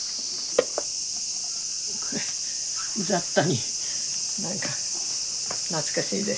これ雑多になんか懐かしいですね。